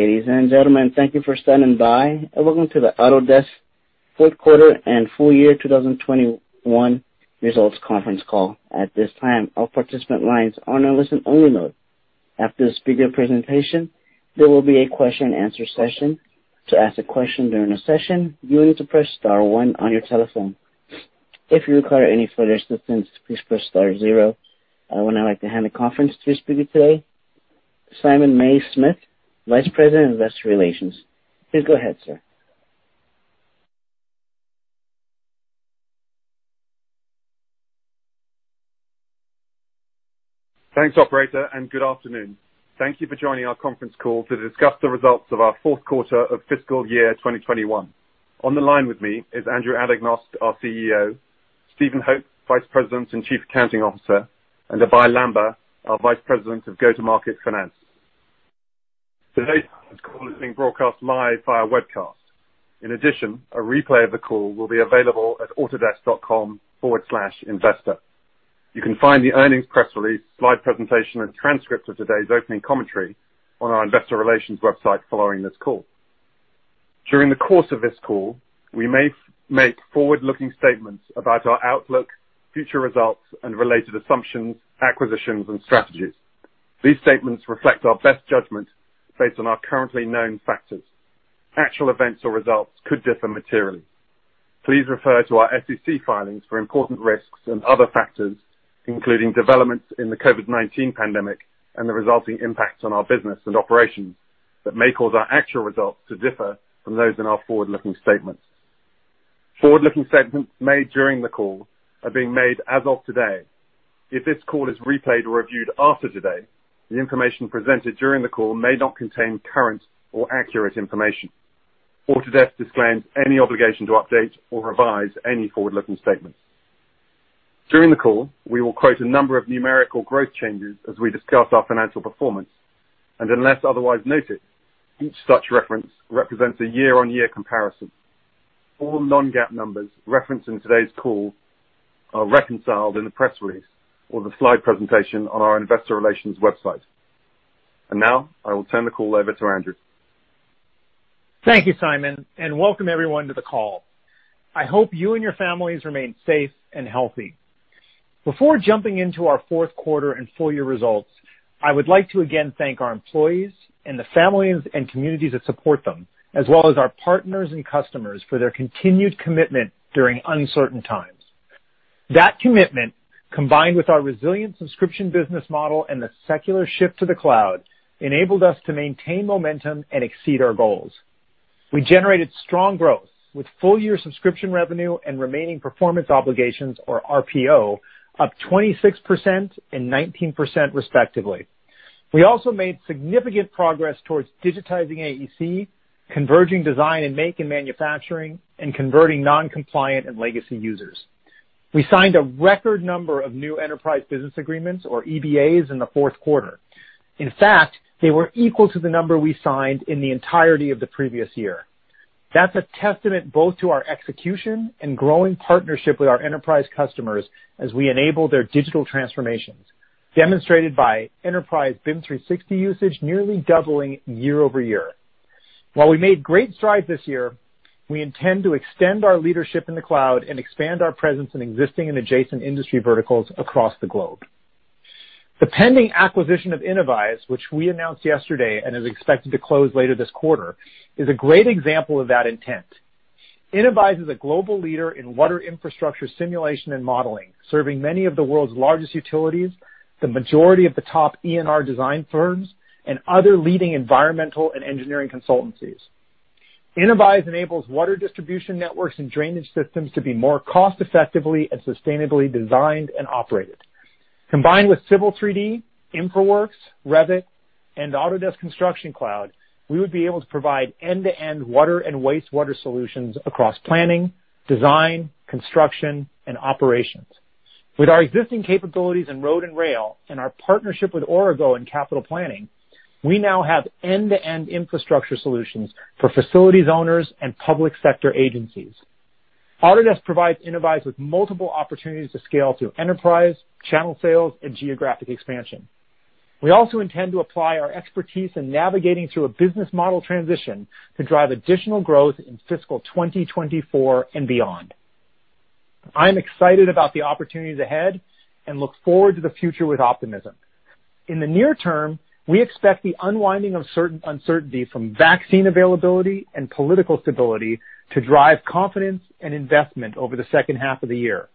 Ladies and gentlemen, thank you for standing by, and welcome to the Autodesk fourth quarter and full year 2021 results conference call. At this time, all participant lines are on listen-only mode. After the speaker presentation there will be a question-and-answer session. To ask a question during the session, you need to press star one on your telephone. If you require any further assistance, please press star zero. I would now like to hand the conference to the speaker today, Simon Mays-Smith, Vice President, Investor Relations. Please go ahead, sir. Thanks, operator. Good afternoon. Thank you for joining our conference call to discuss the results of our fourth quarter of fiscal year 2021. On the line with me is Andrew Anagnost, our CEO, Stephen Hope, Vice President and Chief Accounting Officer, and Abhey Lamba, our Vice President of Go-To-Market Finance. Today's call is being broadcast live via webcast. A replay of the call will be available at autodesk.com/investor. You can find the earnings press release, live presentation, and transcript of today's opening commentary on our investor relations website following this call. During the course of this call, we may make forward-looking statements about our outlook, future results, and related assumptions, acquisitions, and strategies. These statements reflect our best judgment based on our currently known factors. Actual events or results could differ materially. Please refer to our SEC filings for important risks and other factors, including developments in the COVID-19 pandemic and the resulting impacts on our business and operations that may cause our actual results to differ from those in our forward-looking statements. Forward-looking statements made during the call are being made as of today. If this call is replayed or reviewed after today, the information presented during the call may not contain current or accurate information. Autodesk disclaims any obligation to update or revise any forward-looking statements. During the call, we will quote a number of numerical growth changes as we discuss our financial performance, and unless otherwise noted, each such reference represents a year-on-year comparison. All non-GAAP numbers referenced in today's call are reconciled in the press release or the slide presentation on our investor relations website. Now, I will turn the call over to Andrew. Thank you, Simon, and welcome everyone to the call. I hope you and your families remain safe and healthy. Before jumping into our fourth quarter and full year results, I would like to, again, thank our employees and the families and communities that support them, as well as our partners and customers for their continued commitment during uncertain times. That commitment, combined with our resilient subscription business model and the secular shift to the cloud, enabled us to maintain momentum and exceed our goals. We generated strong growth with full year subscription revenue and Remaining Performance Obligations, or RPO, up 26% and 19% respectively. We also made significant progress towards digitizing AEC, converging design and make in manufacturing, and converting non-compliant and legacy users. We signed a record number of new Enterprise Business Agreements, or EBAs, in the fourth quarter. In fact, they were equal to the number we signed in the entirety of the previous year. That's a testament both to our execution and growing partnership with our enterprise customers as we enable their digital transformations, demonstrated by enterprise BIM 360 usage nearly doubling year-over-year. While we made great strides this year, we intend to extend our leadership in the cloud and expand our presence in existing and adjacent industry verticals across the globe. The pending acquisition of Innovyze, which we announced yesterday and is expected to close later this quarter, is a great example of that intent. Innovyze is a global leader in water infrastructure simulation and modeling, serving many of the world's largest utilities, the majority of the top ENR design firms, and other leading environmental and engineering consultancies. Innovyze enables water distribution networks and drainage systems to be more cost effectively and sustainably designed and operated. Combined with Civil 3D, InfraWorks, Revit, and Autodesk Construction Cloud, we would be able to provide end-to-end water and wastewater solutions across planning, design, construction, and operations. With our existing capabilities in road and rail and our partnership with Aurigo in capital planning, we now have end-to-end infrastructure solutions for facilities owners and public sector agencies. Autodesk provides Innovyze with multiple opportunities to scale through enterprise, channel sales, and geographic expansion. We also intend to apply our expertise in navigating through a business model transition to drive additional growth in fiscal 2024 and beyond. I'm excited about the opportunities ahead and look forward to the future with optimism. In the near term, we expect the unwinding of certain uncertainty from vaccine availability and political stability to drive confidence and investment over the second half of the year.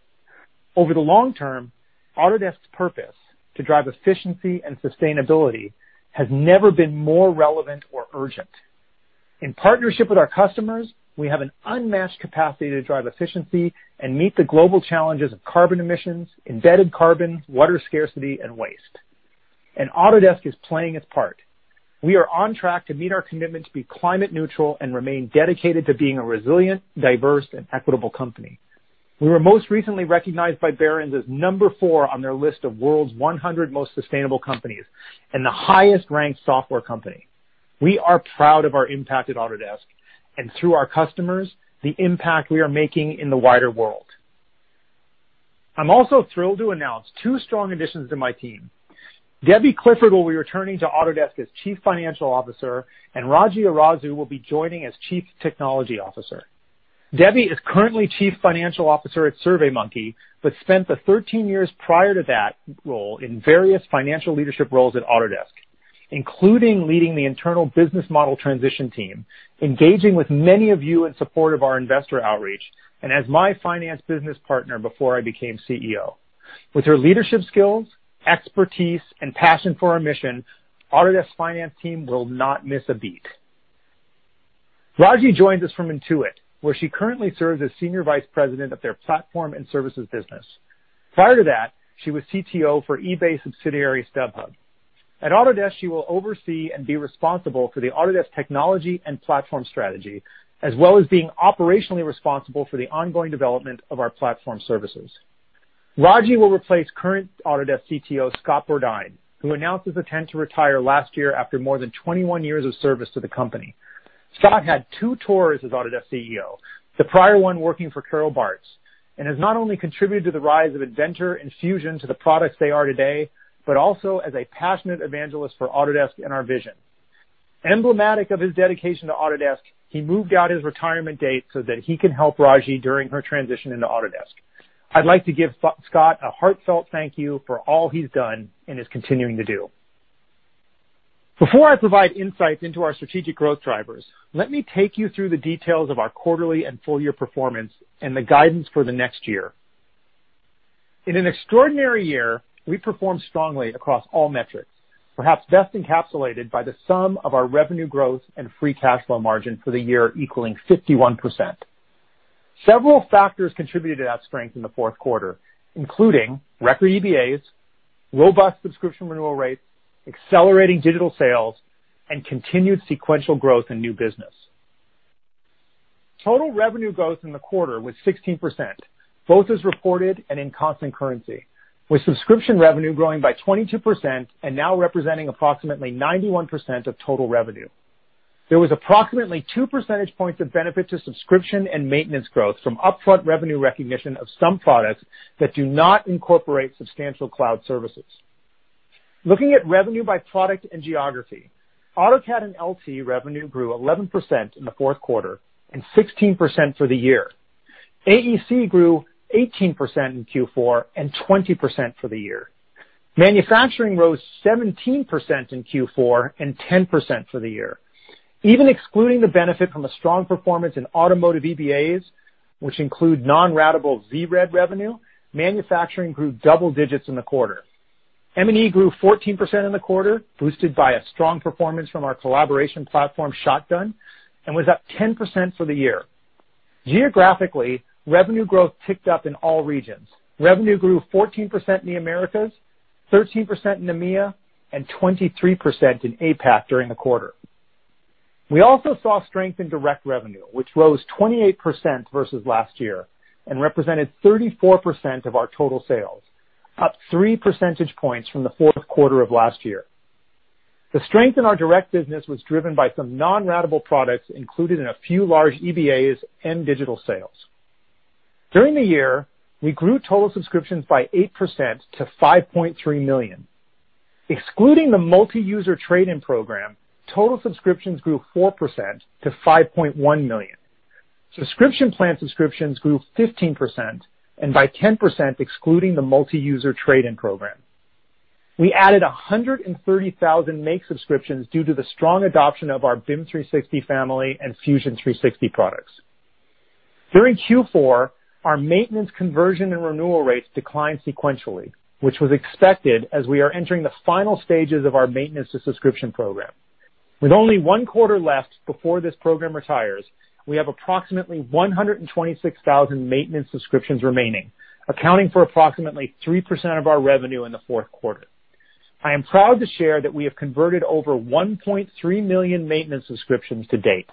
Over the long term, Autodesk's purpose to drive efficiency and sustainability has never been more relevant or urgent. In partnership with our customers, we have an unmatched capacity to drive efficiency and meet the global challenges of carbon emissions, embedded carbon, water scarcity, and waste. Autodesk is playing its part. We are on track to meet our commitment to be climate neutral and remain dedicated to being a resilient, diverse, and equitable company. We were most recently recognized by Barron's as number four on their list of world's 100 most sustainable companies and the highest ranked software company. We are proud of our impact at Autodesk and through our customers, the impact we are making in the wider world. I'm also thrilled to announce two strong additions to my team. Debbie Clifford will be returning to Autodesk as Chief Financial Officer, and Raji Arasu will be joining as Chief Technology Officer. Debbie is currently Chief Financial Officer at SurveyMonkey, but spent the 13 years prior to that role in various financial leadership roles at Autodesk, including leading the internal business model transition team, engaging with many of you in support of our investor outreach, and as my finance business partner before I became CEO. With her leadership skills, expertise, and passion for our mission, Autodesk finance team will not miss a beat. Raji joins us from Intuit, where she currently serves as Senior Vice President of their platform and services business. Prior to that, she was CTO for eBay subsidiary, StubHub. At Autodesk, she will oversee and be responsible for the Autodesk technology and platform strategy, as well as being operationally responsible for the ongoing development of our platform services. Raji will replace current Autodesk CTO, Scott Borduin, who announced his intent to retire last year after more than 21 years of service to the company. Scott had two tours as Autodesk CEO, the prior one working for Carol Bartz, and has not only contributed to the rise of Inventor and Fusion to the products they are today, but also as a passionate evangelist for Autodesk and our vision. Emblematic of his dedication to Autodesk, he moved out his retirement date so that he can help Raji during her transition into Autodesk. I'd like to give Scott a heartfelt thank you for all he's done and is continuing to do. Before I provide insights into our strategic growth drivers, let me take you through the details of our quarterly and full year performance and the guidance for the next year. In an extraordinary year, we performed strongly across all metrics, perhaps best encapsulated by the sum of our revenue growth and free cash flow margin for the year equaling 51%. Several factors contributed to that strength in the fourth quarter, including record EBAs, robust subscription renewal rates, accelerating digital sales, and continued sequential growth in new business. Total revenue growth in the quarter was 16%, both as reported and in constant currency, with subscription revenue growing by 22% and now representing approximately 91% of total revenue. There was approximately two percentage points of benefit to subscription and maintenance growth from upfront revenue recognition of some products that do not incorporate substantial cloud services. Looking at revenue by product and geography, AutoCAD and LT revenue grew 11% in the fourth quarter and 16% for the year. AEC grew 18% in Q4 and 20% for the year. Manufacturing rose 17% in Q4 and 10% for the year. Even excluding the benefit from a strong performance in automotive EBAs, which include non-ratable VRED revenue, manufacturing grew double digits in the quarter. M&E grew 14% in the quarter, boosted by a strong performance from our collaboration platform, ShotGrid, and was up 10% for the year. Geographically, revenue growth ticked up in all regions. Revenue grew 14% in the Americas, 13% in EMEA, and 23% in APAC during the quarter. We also saw strength in direct revenue, which rose 28% versus last year and represented 34% of our total sales, up three percentage points from the fourth quarter of last year. The strength in our direct business was driven by some non-ratable products included in a few large EBAs and digital sales. During the year, we grew total subscriptions by 8% to 5.3 million. Excluding the multi-user trade-in program, total subscriptions grew 4% to 5.1 million. Subscription plan subscriptions grew 15%, and by 10% excluding the multi-user trade-in program. We added 130,000 Make subscriptions due to the strong adoption of our BIM 360 family and Fusion 360 products. During Q4, our maintenance conversion and renewal rates declined sequentially, which was expected as we are entering the final stages of our maintenance to subscription program. With only one quarter left before this program retires, we have approximately 126,000 maintenance subscriptions remaining, accounting for approximately 3% of our revenue in the fourth quarter. I am proud to share that we have converted over 1.3 million maintenance subscriptions to date.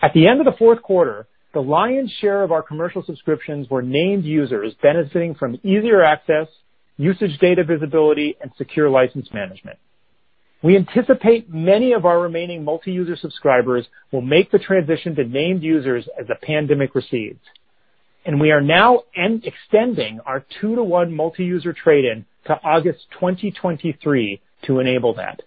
At the end of the fourth quarter, the lion's share of our commercial subscriptions were named users benefiting from easier access, usage data visibility, and secure license management. We anticipate many of our remaining multi-user subscribers will make the transition to named users as the pandemic recedes, and we are now extending our two to one multi-user trade-in to August 2023 to enable that.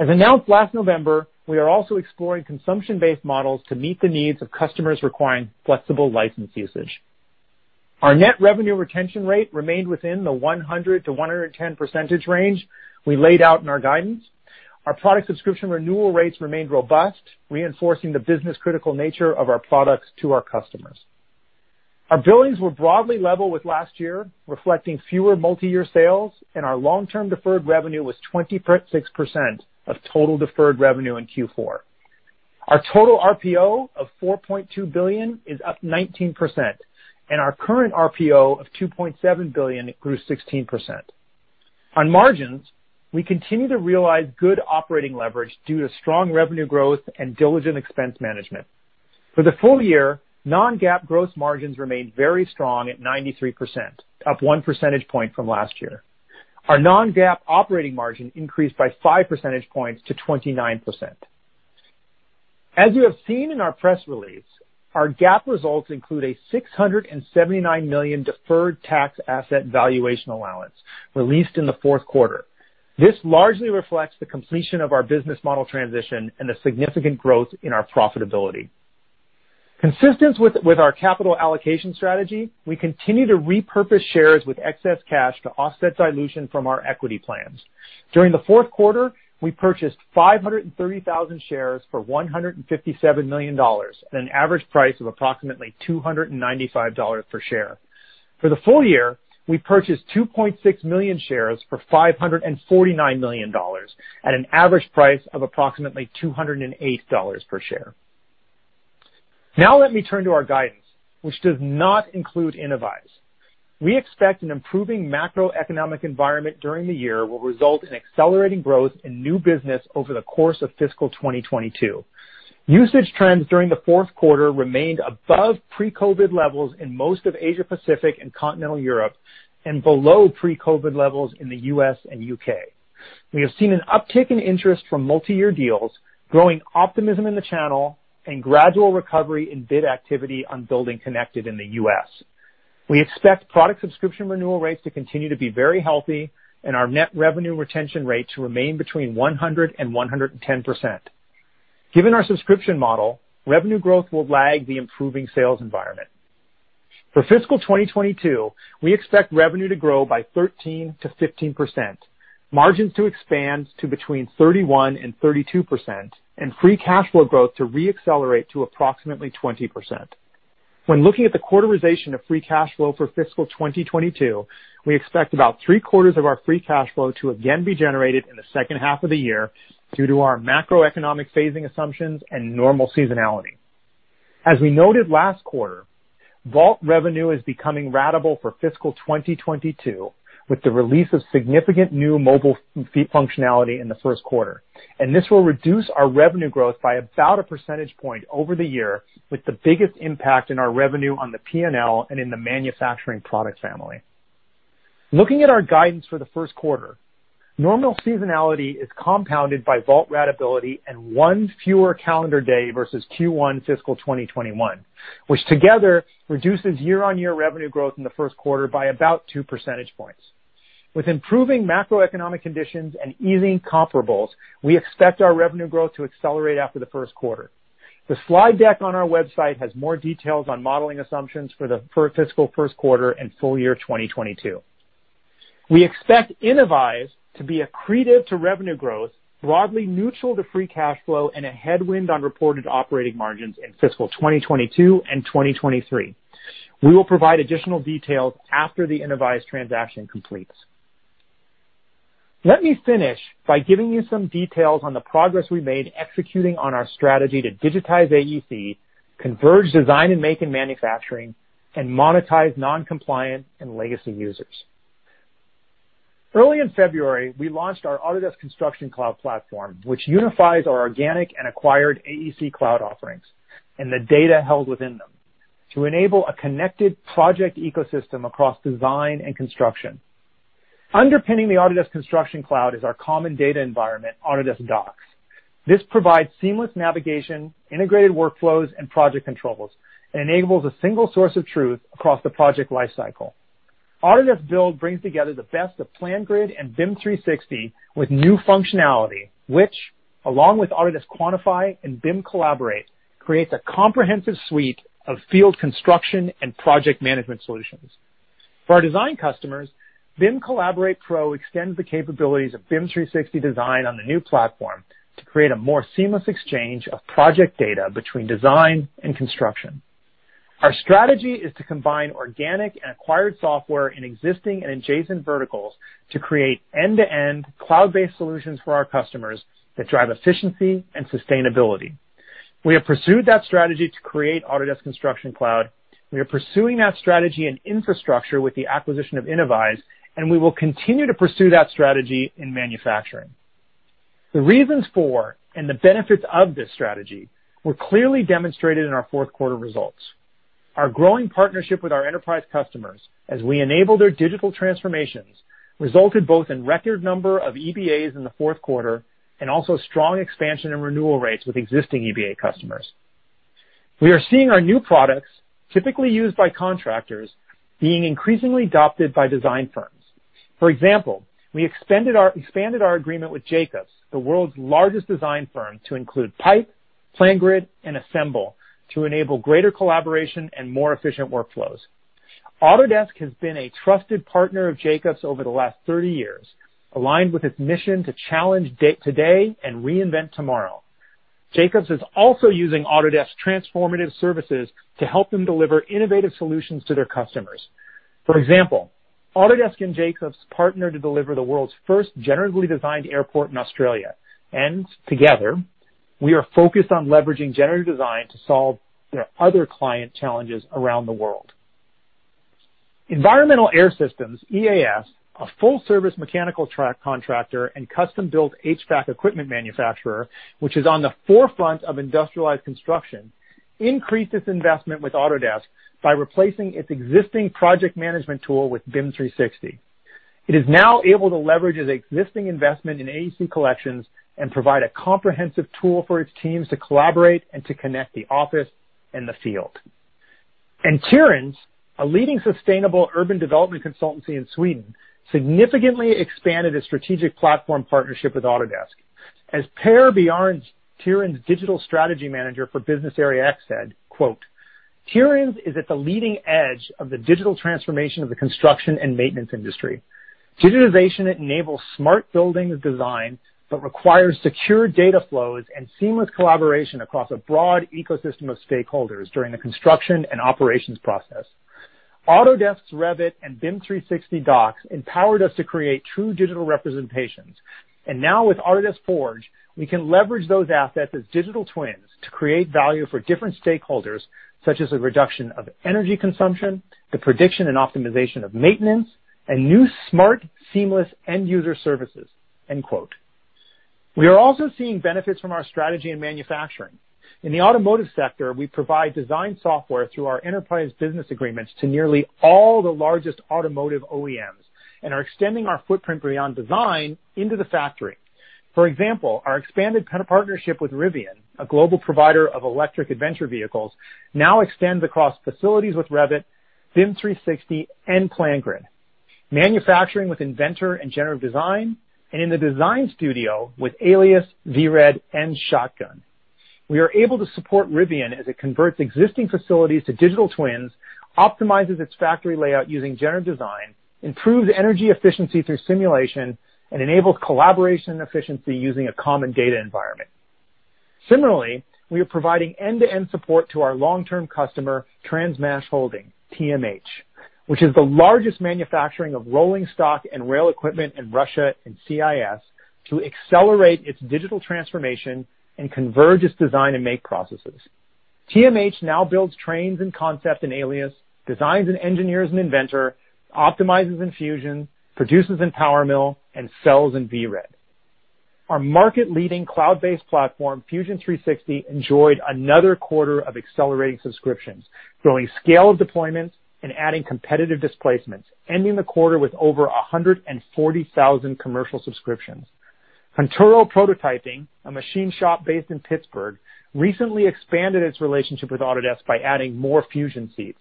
As announced last November, we are also exploring consumption-based models to meet the needs of customers requiring flexible license usage. Our net revenue retention rate remained within the 100%-110% range we laid out in our guidance. Our product subscription renewal rates remained robust, reinforcing the business-critical nature of our products to our customers. Our billings were broadly level with last year, reflecting fewer multi-year sales, and our long-term deferred revenue was 20.6% of total deferred revenue in Q4. Our total RPO of $4.2 billion is up 19%, and our current RPO of $2.7 billion grew 16%. On margins, we continue to realize good operating leverage due to strong revenue growth and diligent expense management. For the full year, non-GAAP gross margins remained very strong at 93%, up one percentage point from last year. Our non-GAAP operating margin increased by five percentage points to 29%. You have seen in our press release, our GAAP results include a $679 million deferred tax asset valuation allowance released in the fourth quarter. This largely reflects the completion of our business model transition and the significant growth in our profitability. Consistent with our capital allocation strategy, we continue to repurpose shares with excess cash to offset dilution from our equity plans. During the fourth quarter, we purchased 530,000 shares for $157 million at an average price of approximately $295 per share. For the full year, we purchased 2.6 million shares for $549 million at an average price of approximately $208 per share. Let me turn to our guidance, which does not include Innovyze. We expect an improving macroeconomic environment during the year will result in accelerating growth in new business over the course of fiscal 2022. Usage trends during the fourth quarter remained above pre-COVID-19 levels in most of Asia Pacific and continental Europe and below pre-COVID-19 levels in the U.S. and U.K. We have seen an uptick in interest from multi-year deals, growing optimism in the channel, and gradual recovery in bid activity on BuildingConnected in the U.S. We expect product subscription renewal rates to continue to be very healthy and our net revenue retention rate to remain between 100%-110%. Given our subscription model, revenue growth will lag the improving sales environment. For fiscal 2022, we expect revenue to grow by 13%-15%, margins to expand to between 31% and 32%, and free cash flow growth to re-accelerate to approximately 20%. When looking at the quarterization of free cash flow for fiscal 2022, we expect about three-quarters of our free cash flow to again be generated in the second half of the year due to our macroeconomic phasing assumptions and normal seasonality. As we noted last quarter, Vault revenue is becoming ratable for fiscal 2022 with the release of significant new mobile functionality in the first quarter. This will reduce our revenue growth by about a percentage point over the year, with the biggest impact in our revenue on the P&L and in the manufacturing product family. Looking at our guidance for the first quarter, normal seasonality is compounded by Vault ratability and one fewer calendar day versus Q1 fiscal 2021, which together reduces year-on-year revenue growth in the first quarter by about 2 percentage points. With improving macroeconomic conditions and easing comparables, we expect our revenue growth to accelerate after the first quarter. The slide deck on our website has more details on modeling assumptions for the fiscal first quarter and full year 2022. We expect Innovyze to be accretive to revenue growth, broadly neutral to free cash flow, and a headwind on reported operating margins in fiscal 2022 and 2023. We will provide additional details after the Innovyze transaction completes. Let me finish by giving you some details on the progress we made executing on our strategy to digitize AEC, converge design and make in manufacturing, and monetize non-compliant and legacy users. Early in February, we launched our Autodesk Construction Cloud platform, which unifies our organic and acquired AEC cloud offerings and the data held within them to enable a connected project ecosystem across design and construction. Underpinning the Autodesk Construction Cloud is our common data environment, Autodesk Docs. This provides seamless navigation, integrated workflows, and project controls, and enables a single source of truth across the project lifecycle. Autodesk Build brings together the best of PlanGrid and BIM 360 with new functionality, which, along with Autodesk Takeoff and BIM Collaborate, creates a comprehensive suite of field construction and project management solutions. For our design customers, BIM Collaborate Pro extends the capabilities of BIM 360 design on the new platform to create a more seamless exchange of project data between design and construction. Our strategy is to combine organic and acquired software in existing and adjacent verticals to create end-to-end cloud-based solutions for our customers that drive efficiency and sustainability. We have pursued that strategy to create Autodesk Construction Cloud. We are pursuing that strategy and infrastructure with the acquisition of Innovyze, and we will continue to pursue that strategy in manufacturing. The reasons for and the benefits of this strategy were clearly demonstrated in our fourth quarter results. Our growing partnership with our enterprise customers as we enable their digital transformations resulted both in record number of EBAs in the fourth quarter and also strong expansion and renewal rates with existing EBA customers. We are seeing our new products, typically used by contractors, being increasingly adopted by design firms. For example, we expanded our agreement with Jacobs, the world's largest design firm, to include Pype, PlanGrid, and Assemble to enable greater collaboration and more efficient workflows. Autodesk has been a trusted partner of Jacobs over the last 30 years, aligned with its mission to challenge today and reinvent tomorrow. Jacobs is also using Autodesk transformative services to help them deliver innovative solutions to their customers. For example, Autodesk and Jacobs partnered to deliver the world's first generative designed airport in Australia, and together, we are focused on leveraging generative design to solve their other client challenges around the world. Environmental Air Systems, EAS, a full-service mechanical contractor and custom-built HVAC equipment manufacturer, which is on the forefront of industrialized construction, increased its investment with Autodesk by replacing its existing project management tool with BIM 360. It is now able to leverage its existing investment in AEC Collections and provide a comprehensive tool for its teams to collaborate and to connect the office and the field. Tyréns, a leading sustainable urban development consultancy in Sweden, significantly expanded its strategic platform partnership with Autodesk. As Per Björn, Tyréns' digital strategy manager for business area X, said, quote, "Tyréns is at the leading edge of the digital transformation of the construction and maintenance industry. Digitization enables smart building design but requires secure data flows and seamless collaboration across a broad ecosystem of stakeholders during the construction and operations process. Autodesk's Revit and BIM 360 Docs empowered us to create true digital representations. Now with Autodesk Forge, we can leverage those assets as digital twins to create value for different stakeholders, such as the reduction of energy consumption, the prediction and optimization of maintenance, and new smart, seamless end-user services. We are also seeing benefits from our strategy in manufacturing. In the automotive sector, we provide design software through our enterprise business agreements to nearly all the largest automotive OEMs, and are extending our footprint beyond design into the factory. For example, our expanded partnership with Rivian, a global provider of electric adventure vehicles, now extends across facilities with Revit, BIM 360, and PlanGrid. Manufacturing with Inventor and generative design, and in the design studio with Alias, VRED, and ShotGrid. We are able to support Rivian as it converts existing facilities to digital twins, optimizes its factory layout using generative design, improves energy efficiency through simulation, and enables collaboration and efficiency using a common data environment. Similarly, we are providing end-to-end support to our long-term customer, Transmashholding, TMH, which is the largest manufacturing of rolling stock and rail equipment in Russia and CIS, to accelerate its digital transformation and converge its design and make processes. TMH now builds trains and concepts in Alias, designs and engineers in Inventor, optimizes in Fusion, produces in PowerMill, and sells in VRED. Our market-leading cloud-based platform, Fusion 360, enjoyed another quarter of accelerating subscriptions, growing scale of deployments and adding competitive displacements, ending the quarter with over 140,000 commercial subscriptions. Conturo Prototyping, a machine shop based in Pittsburgh, recently expanded its relationship with Autodesk by adding more Fusion seats.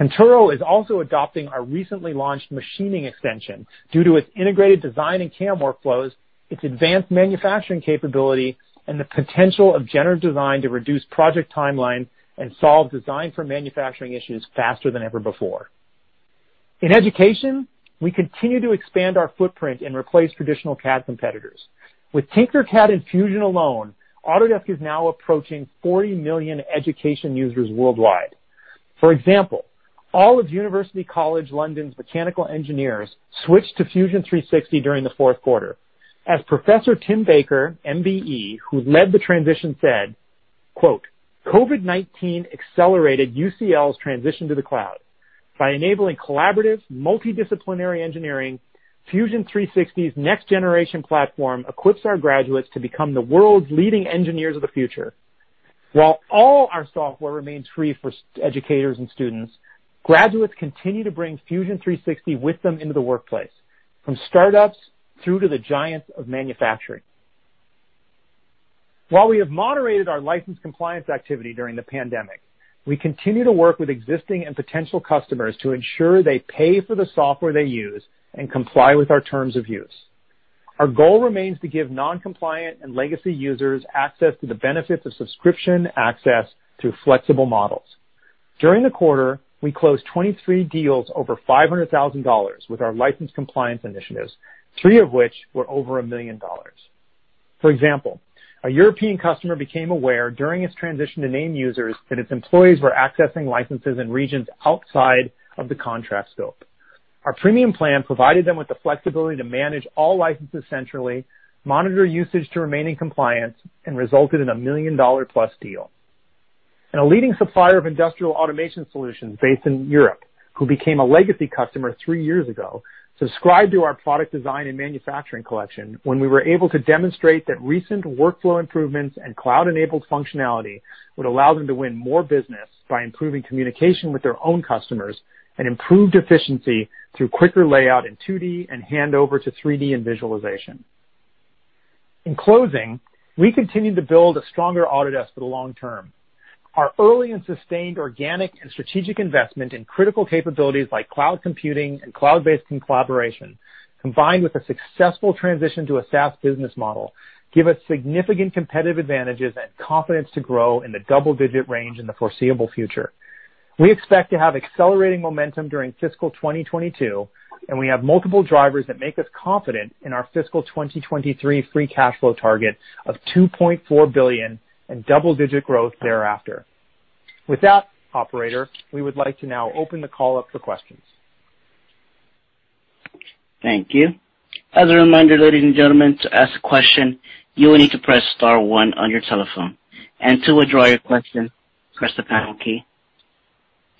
Conturo is also adopting our recently launched machining extension due to its integrated design and CAM workflows, its advanced manufacturing capability, and the potential of generative design to reduce project timelines and solve design for manufacturing issues faster than ever before. In education, we continue to expand our footprint and replace traditional CAD competitors. With Tinkercad and Fusion alone, Autodesk is now approaching 40 million education users worldwide. For example, all of University College London's mechanical engineers switched to Fusion 360 during the fourth quarter. As Professor Tim Baker, MBE, who led the transition, said, "COVID-19 accelerated UCL's transition to the cloud. By enabling collaborative, multidisciplinary engineering, Fusion 360's next-generation platform equips our graduates to become the world's leading engineers of the future. All our software remains free for educators and students, graduates continue to bring Fusion 360 with them into the workplace, from startups through to the giants of manufacturing. We have moderated our license compliance activity during the pandemic, we continue to work with existing and potential customers to ensure they pay for the software they use and comply with our terms of use. Our goal remains to give non-compliant and legacy users access to the benefits of subscription access through flexible models. During the quarter, we closed 23 deals over $500,000 with our license compliance initiatives, three of which were over $1 million. For example, a European customer became aware during its transition to named users that its employees were accessing licenses in regions outside of the contract scope. Our premium plan provided them with the flexibility to manage all licenses centrally, monitor usage to remain in compliance, and resulted in a million-dollar-plus deal. A leading supplier of industrial automation solutions based in Europe, who became a legacy customer three years ago, subscribed to our Product Design and Manufacturing Collection when we were able to demonstrate that recent workflow improvements and cloud-enabled functionality would allow them to win more business by improving communication with their own customers, and improved efficiency through quicker layout in 2D and handover to 3D and visualization. In closing, we continue to build a stronger Autodesk for the long term. Our early and sustained organic and strategic investment in critical capabilities like cloud computing and cloud-based collaboration, combined with a successful transition to a SaaS business model, give us significant competitive advantages and confidence to grow in the double-digit range in the foreseeable future. We expect to have accelerating momentum during fiscal 2022, and we have multiple drivers that make us confident in our fiscal 2023 free cash flow target of $2.4 billion and double-digit growth thereafter. With that, operator, we would like to now open the call up for questions. Thank you. As a reminder, ladies and gentlemen, to ask a question, you will need to press star one on your telephone. To withdraw your question, press the pound key.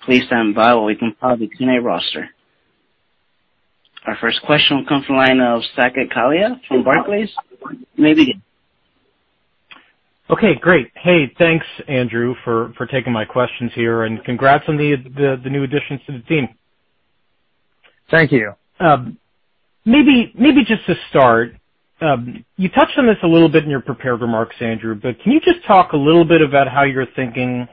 Please stand by while we compile the Q&A roster. Our first question will come from the line of Saket Kalia from Barclays. You may begin. Okay, great. Hey, thanks, Andrew, for taking my questions here, and congrats on the new additions to the team. Thank you. Maybe just to start, you touched on this a little bit in your prepared remarks, Andrew, but can you just talk a little bit about how you're thinking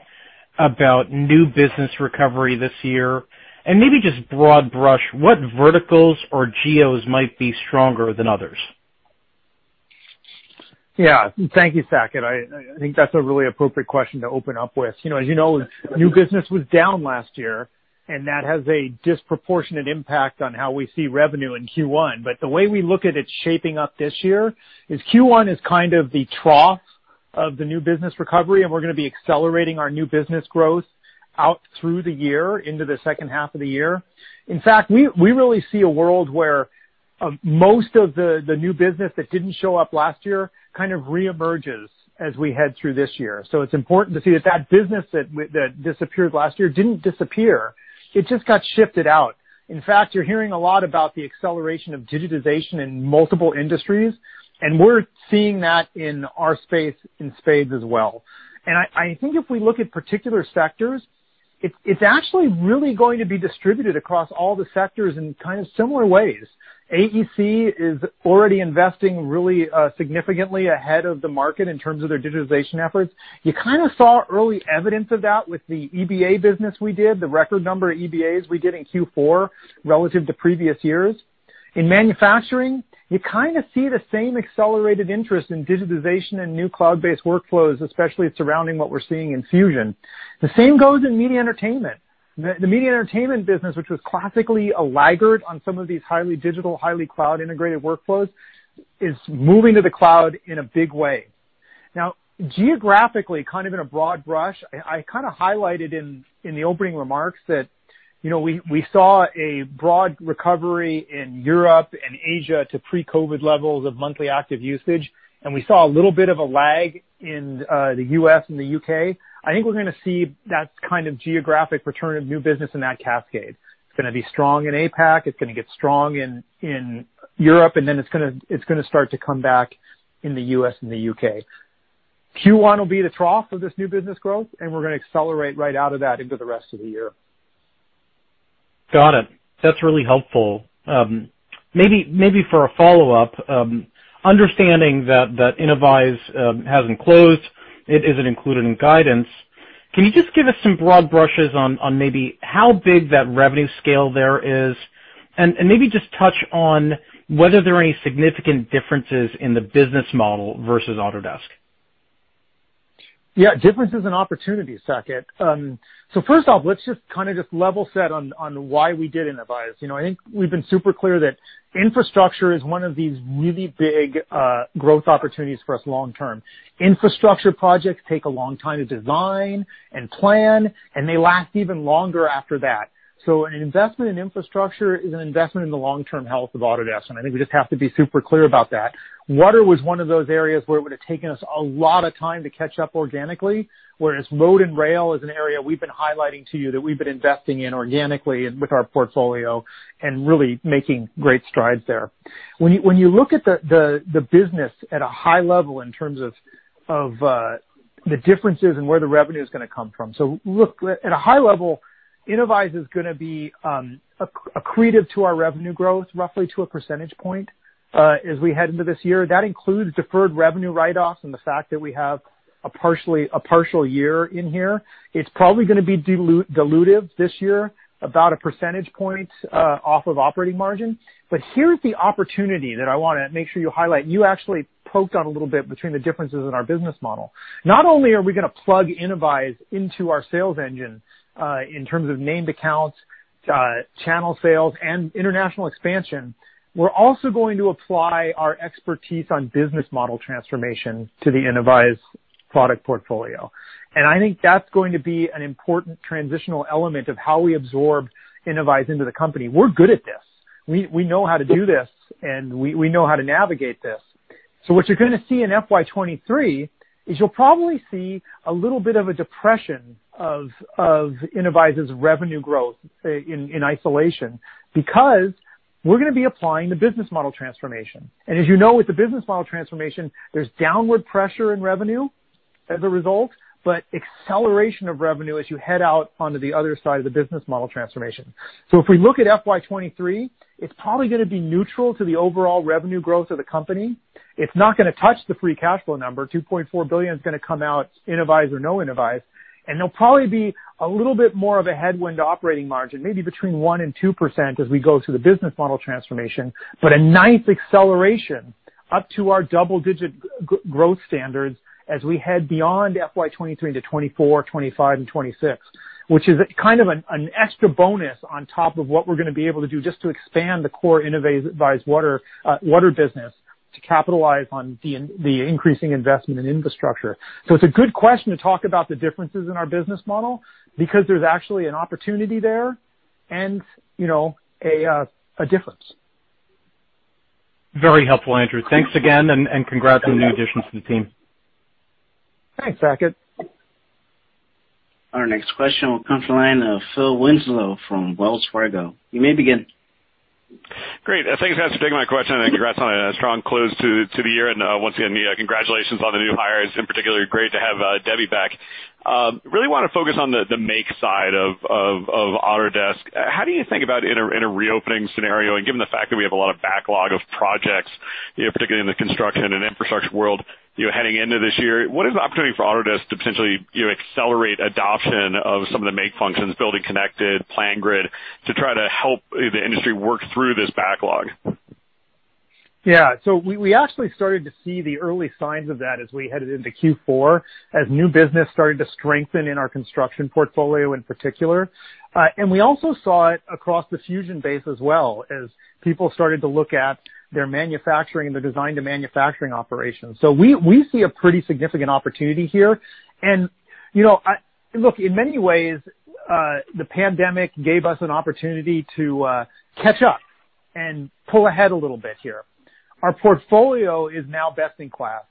about new business recovery this year and maybe just broad brush what verticals or geos might be stronger than others? Yeah. Thank you, Saket. I think that's a really appropriate question to open up with. As you know, new business was down last year, and that has a disproportionate impact on how we see revenue in Q1. The way we look at it shaping up this year is Q1 is kind of the trough of the new business recovery, and we're going to be accelerating our new business growth out through the year into the second half of the year. In fact, we really see a world where most of the new business that didn't show up last year kind of re-emerges as we head through this year. It's important to see that business that disappeared last year didn't disappear. It just got shifted out. In fact, you're hearing a lot about the acceleration of digitization in multiple industries, and we're seeing that in our space in spades as well. I think if we look at particular sectors, it's actually really going to be distributed across all the sectors in kind of similar ways. AEC is already investing really significantly ahead of the market in terms of their digitization efforts. You kind of saw early evidence of that with the EBA business we did, the record number of EBAs we did in Q4 relative to previous years. In manufacturing, you kind of see the same accelerated interest in digitization and new cloud-based workflows, especially surrounding what we're seeing in Fusion. The same goes in media and entertainment. The media and entertainment business, which was classically a laggard on some of these highly digital, highly cloud-integrated workflows, is moving to the cloud in a big way. Now, geographically, kind of in a broad brush, I kind of highlighted in the opening remarks that we saw a broad recovery in Europe and Asia to pre-COVID levels of monthly active usage, and we saw a little bit of a lag in the U.S. and the U.K. I think we're going to see that kind of geographic return of new business in that cascade. It's going to be strong in APAC, it's going to get strong in Europe, and then it's going to start to come back in the U.S. and the U.K. Q1 will be the trough of this new business growth, and we're going to accelerate right out of that into the rest of the year. Got it. That's really helpful. Maybe for a follow-up, understanding that Innovyze hasn't closed, it isn't included in guidance, can you just give us some broad brushes on maybe how big that revenue scale there is? Maybe just touch on whether there are any significant differences in the business model versus Autodesk. Yeah. Differences and opportunities, Saket. First off, let's just kind of just level set on why we did Innovyze. I think we've been super clear that infrastructure is one of these really big growth opportunities for us long term. Infrastructure projects take a long time to design and plan, and they last even longer after that. An investment in infrastructure is an investment in the long-term health of Autodesk, and I think we just have to be super clear about that. Water was one of those areas where it would have taken us a lot of time to catch up organically, whereas road and rail is an area we've been highlighting to you that we've been investing in organically and with our portfolio and really making great strides there. When you look at the business at a high level in terms of the differences in where the revenue is going to come from. At a high level, Innovyze is going to be accretive to our revenue growth, roughly to a percentage point as we head into this year. That includes deferred revenue write-offs and the fact that we have a partial year in here. It's probably going to be dilutive this year, about a percentage point off of operating margin. Here's the opportunity that I want to make sure you highlight. You actually poked on it a little bit between the differences in our business model. Not only are we going to plug Innovyze into our sales engine, in terms of named accounts, channel sales, and international expansion, we're also going to apply our expertise on business model transformation to the Innovyze product portfolio. I think that's going to be an important transitional element of how we absorb Innovyze into the company. We're good at this. We know how to do this, and we know how to navigate this. What you're going to see in FY 2023 is you'll probably see a little bit of a depression of Innovyze's revenue growth in isolation, because we're going to be applying the business model transformation. As you know, with the business model transformation, there's downward pressure in revenue as a result, but acceleration of revenue as you head out onto the other side of the business model transformation. If we look at FY 2023, it's probably going to be neutral to the overall revenue growth of the company. It's not going to touch the free cash flow number. $2.4 billion is going to come out Innovyze or no Innovyze. It'll probably be a little bit more of a headwind operating margin, maybe between 1% and 2% as we go through the business model transformation. A nice acceleration up to our double-digit growth standards as we head beyond FY 2023 into 2024, 2025, and 2026, which is kind of an extra bonus on top of what we're going to be able to do just to expand the core Innovyze water business to capitalize on the increasing investment in infrastructure. It's a good question to talk about the differences in our business model, because there's actually an opportunity there and a difference. Very helpful, Andrew. Thanks again, congrats on the new additions to the team. Thanks, Saket. Our next question will come from the line of Phil Winslow from Wells Fargo. You may begin. Great. Thanks for taking my question. Congrats on a strong close to the year. Once again, congratulations on the new hires. In particular, great to have Debbie back. Really want to focus on the Make side of Autodesk. How do you think about in a reopening scenario, and given the fact that we have a lot of backlog of projects, particularly in the construction and infrastructure world, heading into this year. What is the opportunity for Autodesk to potentially accelerate adoption of some of the Make functions, BuildingConnected, PlanGrid, to try to help the industry work through this backlog? Yeah. We actually started to see the early signs of that as we headed into Q4, as new business started to strengthen in our construction portfolio in particular. We also saw it across the Fusion base as well, as people started to look at their manufacturing and their design to manufacturing operations. We see a pretty significant opportunity here. Look, in many ways, the pandemic gave us an opportunity to catch up and pull ahead a little bit here. Our portfolio is now best in class.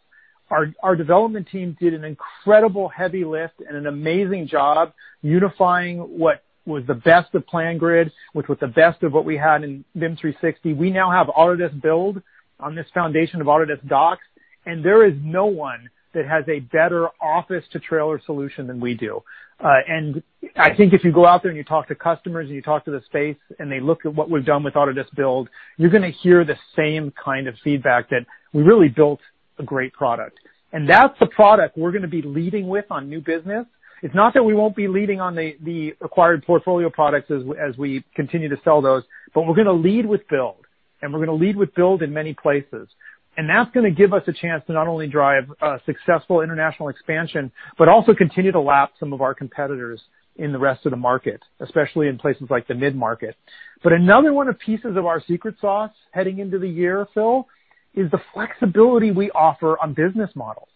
Our development team did an incredible heavy lift and an amazing job unifying what was the best of PlanGrid, with what the best of what we had in BIM 360. We now have Autodesk Build on this foundation of Autodesk Docs, and there is no one that has a better office-to-trailer solution than we do. I think if you go out there and you talk to customers, and you talk to the space, and they look at what we've done with Autodesk Build, you're going to hear the same kind of feedback, that we really built a great product. That's the product we're going to be leading with on new business. It's not that we won't be leading on the acquired portfolio products as we continue to sell those, but we're going to lead with Build, and we're going to lead with Build in many places. That's going to give us a chance to not only drive a successful international expansion, but also continue to lap some of our competitors in the rest of the market, especially in places like the mid-market. Another one of pieces of our secret sauce heading into the year, Phil, is the flexibility we offer on business models.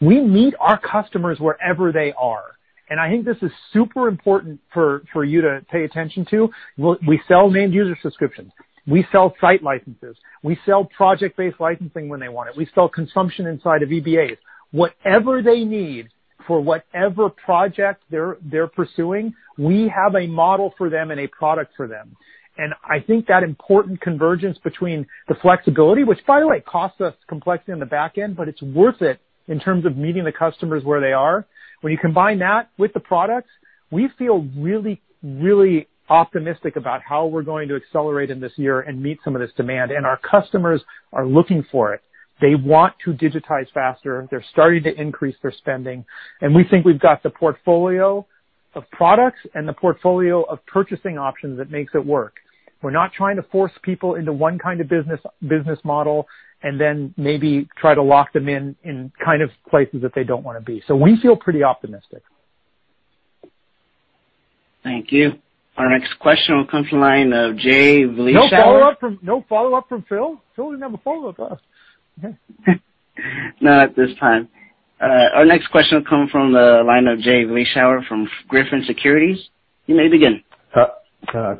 We meet our customers wherever they are. I think this is super important for you to pay attention to. We sell named user subscriptions. We sell site licenses. We sell project-based licensing when they want it. We sell consumption inside of EBAs. Whatever they need for whatever project they're pursuing, we have a model for them and a product for them. I think that important convergence between the flexibility, which, by the way, costs us complexity on the back end, but it's worth it in terms of meeting the customers where they are. When you combine that with the products, we feel really optimistic about how we're going to accelerate in this year and meet some of this demand. Our customers are looking for it. They want to digitize faster. They're starting to increase their spending. We think we've got the portfolio of products and the portfolio of purchasing options that makes it work. We're not trying to force people into one kind of business model, and then maybe try to lock them in places that they don't want to be. We feel pretty optimistic. Thank you. Our next question will come from the line of Jay Vleeschouwer. No follow-up from Phil? Phil didn't have a follow-up for us. Okay. Not at this time. Our next question will come from the line of Jay Vleeschouwer from Griffin Securities. You may begin.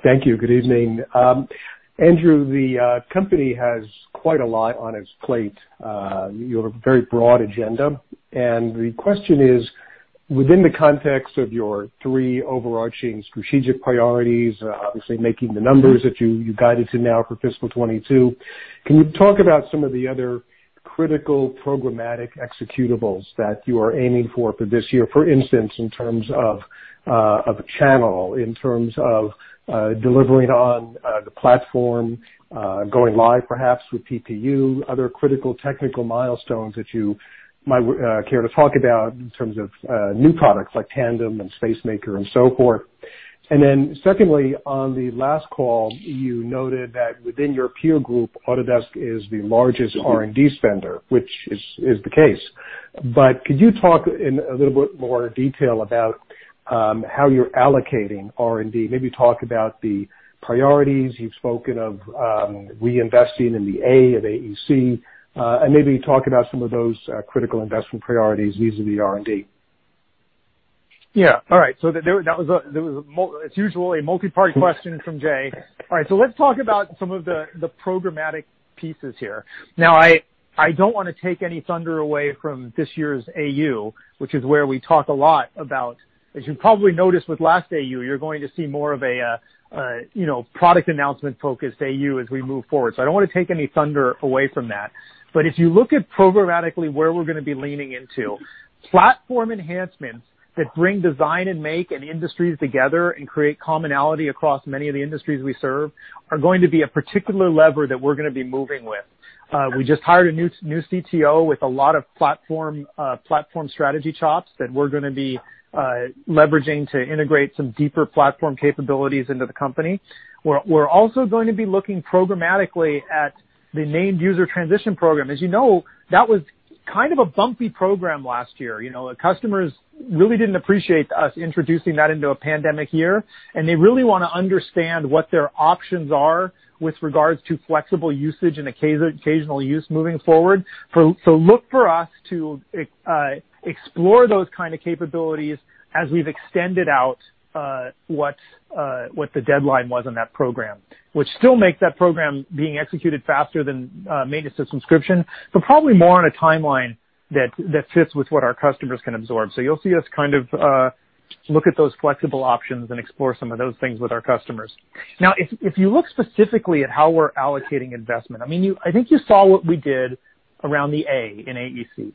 Thank you. Good evening. Andrew, the company has quite a lot on its plate. You have a very broad agenda. The question is, within the context of your three overarching strategic priorities, obviously making the numbers that you guided to now for fiscal 2022, can you talk about some of the other critical programmatic executables that you are aiming for this year? For instance, in terms of channel, in terms of delivering on the platform, going live perhaps with PPU, other critical technical milestones that you might care to talk about in terms of new products like Tandem and Spacemaker and so forth. Secondly, on the last call, you noted that within your peer group, Autodesk is the largest R&D spender, which is the case. Could you talk in a little bit more detail about how you're allocating R&D? Maybe talk about the priorities you've spoken of, reinvesting in the A of AEC, and maybe talk about some of those critical investment priorities vis-à-vis R&D. Yeah. All right. It's usually a multi-part question from Jay. All right. Let's talk about some of the programmatic pieces here. I don't want to take any thunder away from this year's AU, which is where we talk a lot about, as you probably noticed with last AU, you're going to see more of a product announcement-focused AU as we move forward. I don't want to take any thunder away from that. If you look at programmatically where we're going to be leaning into, platform enhancements that bring design and make and industries together and create commonality across many of the industries we serve are going to be a particular lever that we're going to be moving with. We just hired a new CTO with a lot of platform strategy chops that we're going to be leveraging to integrate some deeper platform capabilities into the company. We're also going to be looking programmatically at the Named User Transition Program. As you know, that was kind of a bumpy program last year. The customers really didn't appreciate us introducing that into a pandemic year, and they really want to understand what their options are with regards to flexible usage and occasional use moving forward. Look for us to explore those kind of capabilities as we've extended out what the deadline was on that program. Which still makes that program being executed faster than maintenance or subscription, but probably more on a timeline that fits with what our customers can absorb. You'll see us kind of look at those flexible options and explore some of those things with our customers. If you look specifically at how we're allocating investment, I think you saw what we did around the A in AEC.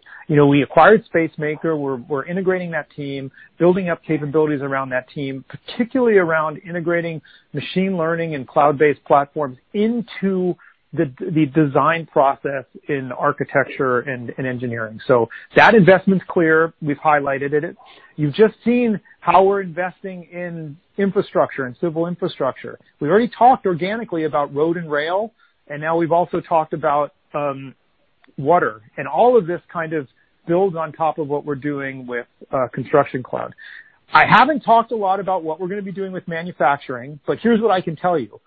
We acquired Spacemaker, we're integrating that team, building up capabilities around that team, particularly around integrating machine learning and cloud-based platforms into the design process in architecture and engineering. That investment's clear. We've highlighted it. You've just seen how we're investing in infrastructure and civil infrastructure. We already talked organically about road and rail, and now we've also talked about water. All of this kind of builds on top of what we're doing with Construction Cloud. I haven't talked a lot about what we're going to be doing with manufacturing, but here's what I can tell you.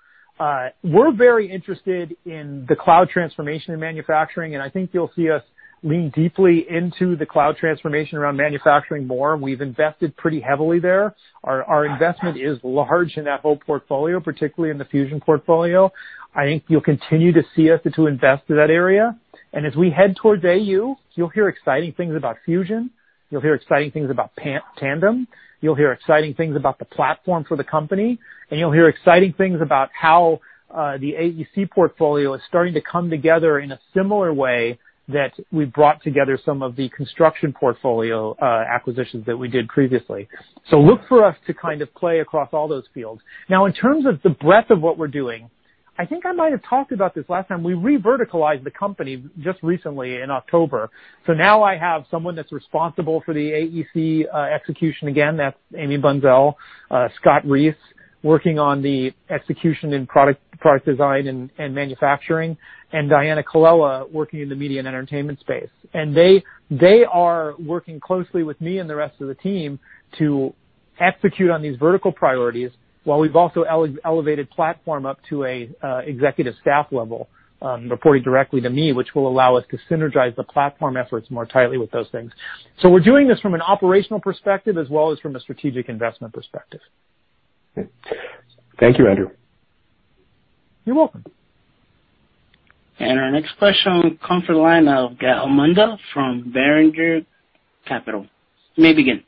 We're very interested in the cloud transformation in manufacturing, and I think you'll see us lean deeply into the cloud transformation around manufacturing more. We've invested pretty heavily there. Our investment is large in that whole portfolio, particularly in the Fusion portfolio. I think you'll continue to see us to invest in that area. As we head towards AU, you'll hear exciting things about Fusion, you'll hear exciting things about Tandem, you'll hear exciting things about the platform for the company, and you'll hear exciting things about how the AEC portfolio is starting to come together in a similar way that we brought together some of the construction portfolio acquisitions that we did previously. Look for us to kind of play across all those fields. In terms of the breadth of what we're doing, I think I might have talked about this last time. We reverticalized the company just recently in October. Now I have someone that's responsible for the AEC execution. Again, that's Amy Bunszel. Scott Reese working on the execution in product design and manufacturing, and Diana Colella working in the media and entertainment space. They are working closely with me and the rest of the team to execute on these vertical priorities, while we've also elevated platform up to an executive staff level, reporting directly to me, which will allow us to synergize the platform efforts more tightly with those things. We're doing this from an operational perspective as well as from a strategic investment perspective. Thank you, Andrew. You're welcome. Our next question comes from the line of Gal Munda from Berenberg Capital. You may begin.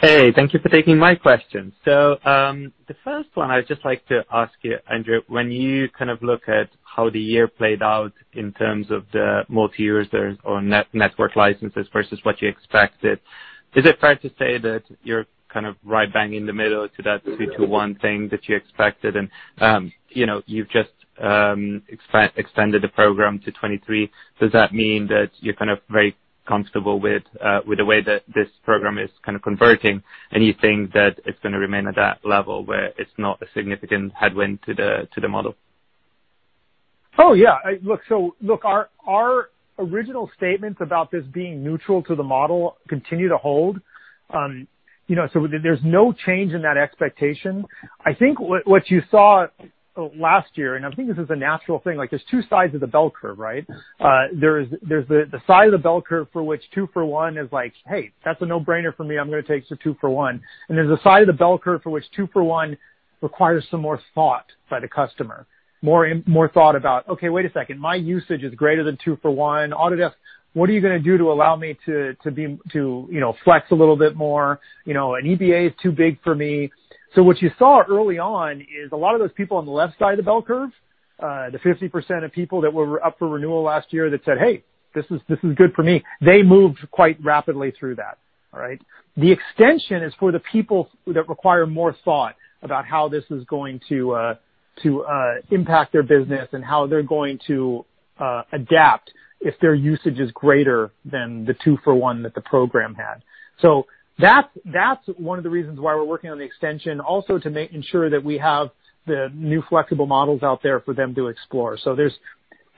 Hey, thank you for taking my question. The first one I would just like to ask you, Andrew, when you kind of look at how the year played out in terms of the multi-years or network licenses versus what you expected, is it fair to say that you're kind of right bang in the middle to that two to one thing that you expected and you've just extended the program to 2023? Does that mean that you're kind of very comfortable with the way that this program is kind of converting, and you think that it's going to remain at that level where it's not a significant headwind to the model? Oh, yeah. Look, our original statements about this being neutral to the model continue to hold. There's no change in that expectation. I think what you saw last year, and I think this is a natural thing, like there's two sides of the bell curve, right? There's the side of the bell curve for which two for one is like, "Hey, that's a no-brainer for me. I'm going to take the two for one." There's a side of the bell curve for which two for one requires some more thought by the customer, more thought about, "Okay, wait a second. My usage is greater than two for one. Autodesk, what are you going to do to allow me to flex a little bit more? An EBA is too big for me. What you saw early on is a lot of those people on the left side of the bell curve, the 50% of people that were up for renewal last year that said, "Hey, this is good for me." They moved quite rapidly through that. All right? The extension is for the people that require more thought about how this is going to impact their business and how they're going to adapt if their usage is greater than the two for one that the program had. That's one of the reasons why we're working on the extension. Also to ensure that we have the new flexible models out there for them to explore.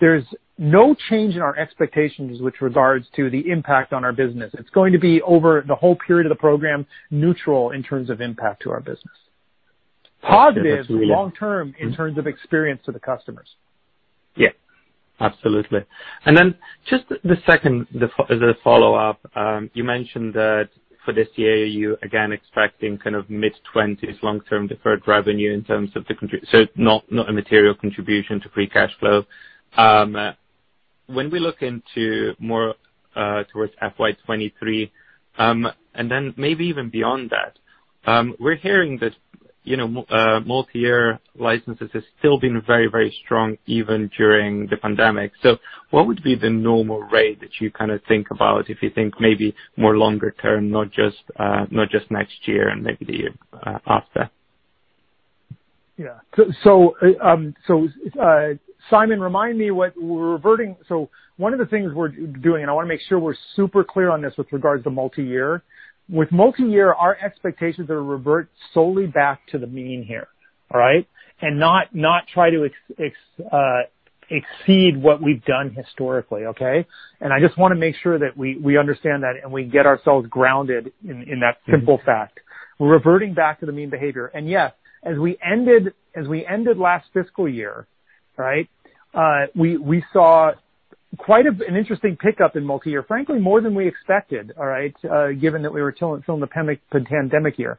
There's no change in our expectations with regards to the impact on our business. It's going to be over the whole period of the program, neutral in terms of impact to our business, positive long-term in terms of experience to the customers. Yeah. Absolutely. Just the second, the follow-up. You mentioned that for this year, you're again expecting kind of mid-20s long-term deferred revenue in terms of the contracts, so not a material contribution to free cash flow. When we look into more towards FY 2023, maybe even beyond that, we're hearing that multi-year licenses have still been very strong even during the pandemic. What would be the normal rate that you kind of think about if you think maybe more longer term, not just next year and maybe the year after? Yeah. Simon, remind me what we're reverting. One of the things we're doing, and I want to make sure we're super clear on this with regards to multi-year. With multi-year, our expectations are to revert solely back to the mean here, all right? Not try to exceed what we've done historically, okay? I just want to make sure that we understand that and we get ourselves grounded in that simple fact. We're reverting back to the mean behavior. Yes, as we ended last fiscal year, right? We saw quite an interesting pickup in multi-year, frankly, more than we expected, all right? Given that we were still in the pandemic year.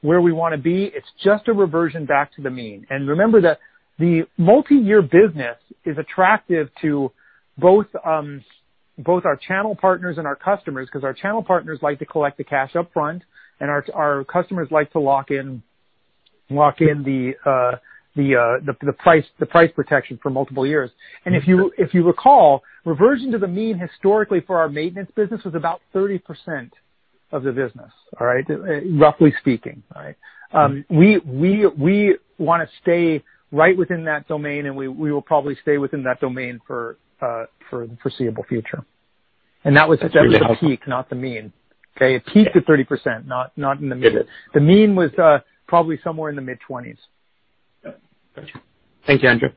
Where we want to be, it's just a reversion back to the mean. Remember that the multi-year business is attractive to both our channel partners and our customers, because our channel partners like to collect the cash up front, and our customers like to lock in the price protection for multiple years. If you recall, reversion to the mean historically for our maintenance business was about 30% of the business. Roughly speaking. We want to stay right within that domain, and we will probably stay within that domain for the foreseeable future. That was at the peak, not the mean. It peaked at 30%, not in the mean. The mean was probably somewhere in the mid-20s. Got you. Thank you, Andrew.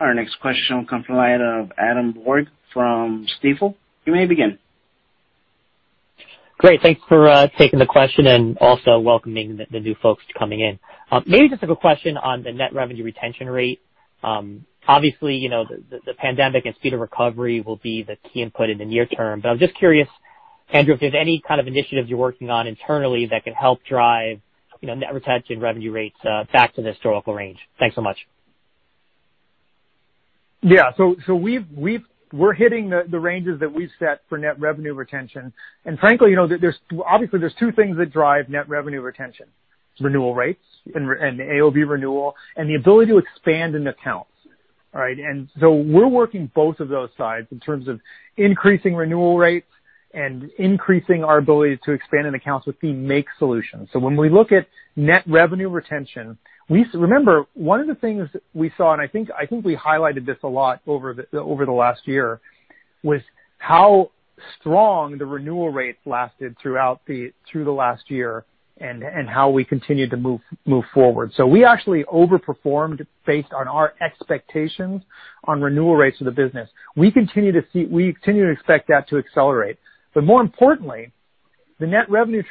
Our next question will come from the line of Adam Borg from Stifel. You may begin. Great. Thanks for taking the question and also welcoming the new folks coming in. Maybe just a quick question on the net revenue retention rate. Obviously, the pandemic and speed of recovery will be the key input in the near term, but I'm just curious, Andrew, if there's any kind of initiatives you're working on internally that could help drive net retention revenue rates back to the historical range. Thanks so much. Yeah. We're hitting the ranges that we've set for net revenue retention. Frankly, obviously, there's two things that drive net revenue retention. Renewal rates and AOV renewal, and the ability to expand in accounts. We're working both of those sides in terms of increasing renewal rates and increasing our ability to expand in accounts with the Make solutions. When we look at net revenue retention, remember, one of the things we saw, and I think we highlighted this a lot over the last year, was how strong the renewal rates lasted through the last year and how we continued to move forward. We actually overperformed based on our expectations on renewal rates of the business. We continue to expect that to accelerate. More importantly, the net revenue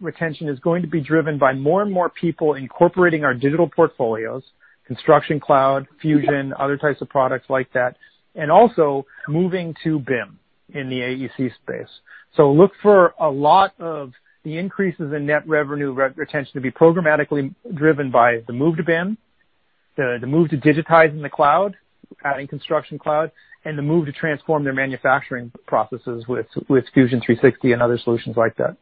retention is going to be driven by more and more people incorporating our digital portfolios, Construction Cloud, Fusion, other types of products like that, and also moving to BIM in the AEC space. Look for a lot of the increases in net revenue retention to be programmatically driven by the move to BIM, the move to digitizing the cloud, adding Construction Cloud, and the move to transform their manufacturing processes with Fusion 360 and other solutions like that.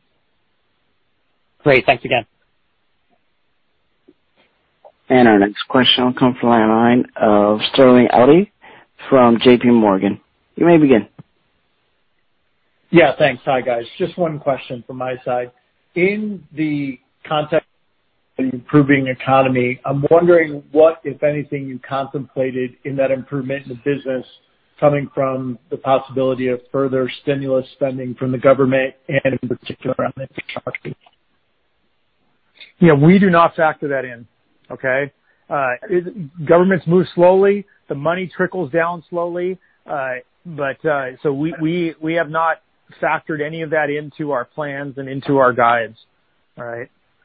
Great. Thanks again. Our next question will come from the line of Sterling Auty from JPMorgan. You may begin. Yeah, thanks. Hi, guys. Just one question from my side. In the context of the improving economy, I'm wondering what, if anything, you contemplated in that improvement in the business coming from the possibility of further stimulus spending from the government and in particular around infrastructure? Yeah, we do not factor that in. Governments move slowly. The money trickles down slowly. We have not factored any of that into our plans and into our guides.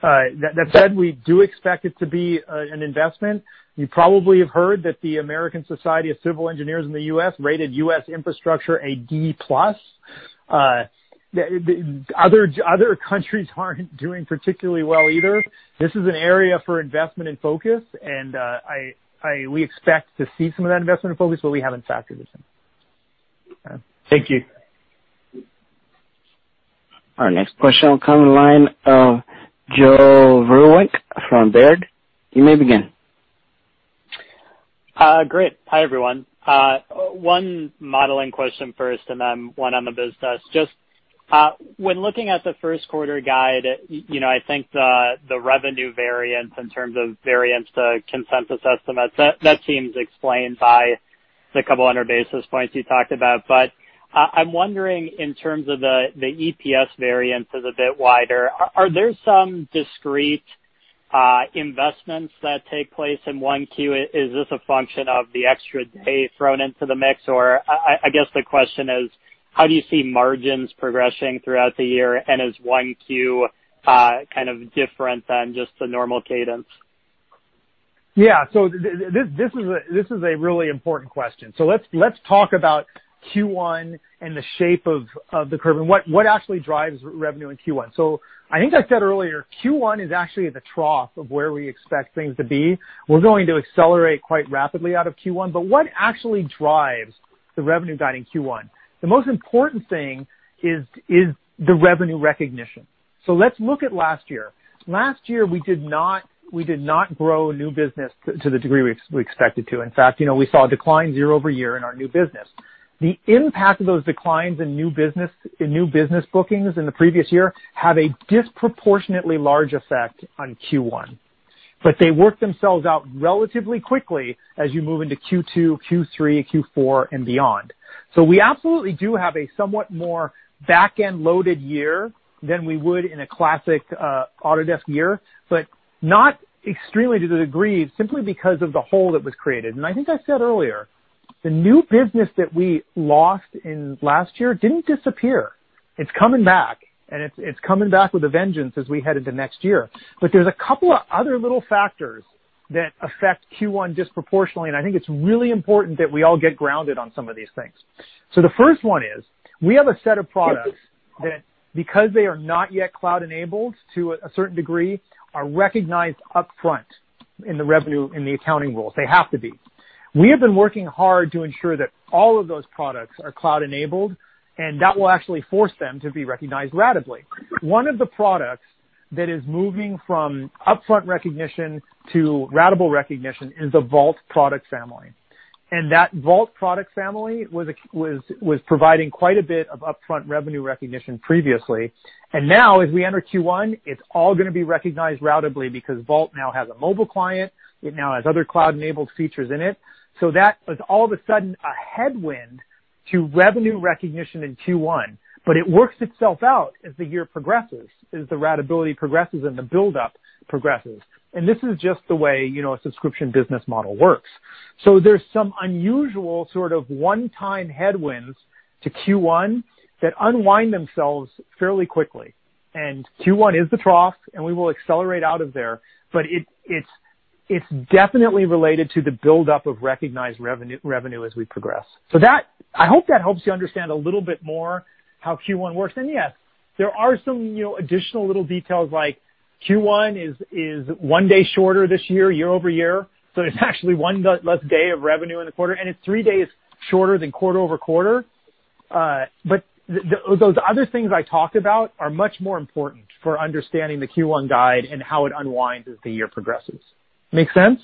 That said, we do expect it to be an investment. You probably have heard that the American Society of Civil Engineers in the U.S. rated U.S. infrastructure a D+. Other countries aren't doing particularly well either. This is an area for investment and focus, and we expect to see some of that investment and focus, but we haven't factored this in. Thank you. Our next question will come in the line of Joe Vruwink from Baird. You may begin. Great. Hi, everyone. One modeling question first and then one on the business. When looking at the first quarter guide, I think the revenue variance in terms of variance to consensus estimates, that seems explained by the couple 100 basis points you talked about. I'm wondering in terms of the EPS variance is a bit wider. Are there some discrete investments that take place in 1Q? Is this a function of the extra day thrown into the mix? I guess the question is, how do you see margins progressing throughout the year? Is 1Q kind of different than just the normal cadence? Yeah. This is a really important question. Let's talk about Q1 and the shape of the curve and what actually drives revenue in Q1. I think I said earlier, Q1 is actually the trough of where we expect things to be. We're going to accelerate quite rapidly out of Q1. What actually drives the revenue guide in Q1? The most important thing is the revenue recognition. Let's look at last year. Last year, we did not grow new business to the degree we expected to. In fact, we saw a decline year-over-year in our new business. The impact of those declines in new business bookings in the previous year have a disproportionately large effect on Q1. They work themselves out relatively quickly as you move into Q2, Q3, Q4, and beyond. We absolutely do have a somewhat more back-end loaded year than we would in a classic Autodesk year, but not extremely to the degree, simply because of the hole that was created. I think I said earlier, the new business that we lost in last year didn't disappear. It's coming back, and it's coming back with a vengeance as we head into next year. There's a couple of other little factors that affect Q1 disproportionately, and I think it's really important that we all get grounded on some of these things. The first one is, we have a set of products that, because they are not yet cloud-enabled to a certain degree, are recognized upfront in the revenue, in the accounting rules. They have to be. We have been working hard to ensure that all of those products are cloud-enabled. That will actually force them to be recognized ratably. One of the products that is moving from upfront recognition to ratable recognition is the Vault product family. That Vault product family was providing quite a bit of upfront revenue recognition previously. Now, as we enter Q1, it's all going to be recognized ratably because Vault now has a mobile client, it now has other cloud-enabled features in it. That is all of a sudden, a headwind to revenue recognition in Q1. It works itself out as the year progresses, as the ratability progresses, and the buildup progresses. This is just the way a subscription business model works. There's some unusual sort of one-time headwinds to Q1 that unwind themselves fairly quickly. Q1 is the trough, and we will accelerate out of there. It's definitely related to the buildup of recognized revenue as we progress. I hope that helps you understand a little bit more how Q1 works. Yes, there are some additional little details, like Q1 is one day shorter this year-over-year. It's actually one less day of revenue in the quarter, and it's three days shorter than quarter-over-quarter. Those other things I talked about are much more important for understanding the Q1 guide and how it unwinds as the year progresses. Make sense?